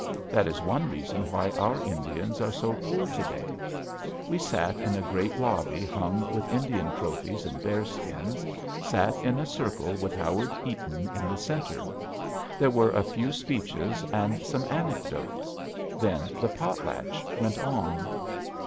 That is one reason why our Indians are so poor to day. We sat in a great lobby hung with Indian trophies and bearskins, sat in a circle with Howard Eaton in the center. There were a few speeches and some anecdotes. Then the potlatch went on.